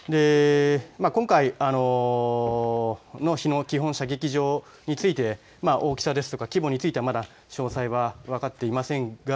今回の日野基本射撃場について大きさとか規模についてまだ詳細は分かっていませんが